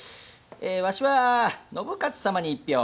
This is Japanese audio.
ワシは信雄様に１票。